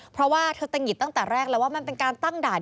เพราะว่าเธอตะหิดตั้งแต่แรกแล้วว่ามันเป็นการตั้งด่าน